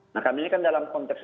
nah kami ini kan dalam konteks